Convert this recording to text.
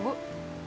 aduh ya bu